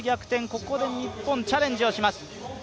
ここで日本、チャレンジをします。